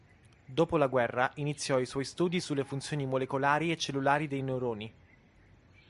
Dopo la guerra iniziò i suoi studi sulle funzioni molecolari e cellulari dei neuroni.